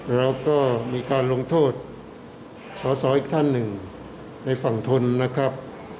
แล้วก็มีการลงโทษสอสออีกท่านหนึ่งในฝั่งทนนะครับ